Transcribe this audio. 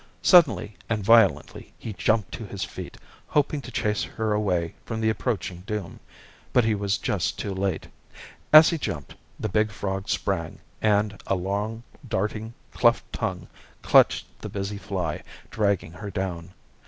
Suddenly and violently he jumped to his feet, hoping to chase her away from the approaching doom. But he was just too late. As he jumped, the big frog sprang, and a long, darting, cleft tongue clutched the busy fly, dragging her down.